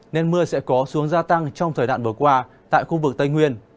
nên mưa sẽ có xuống gia tăng trong thời đoạn vừa qua tại khu vực tây nguyên